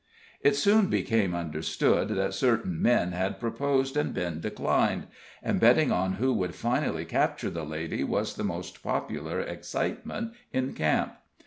It soon became understood that certain men had proposed and been declined, and betting on who would finally capture the lady was the most popular excitement in camp.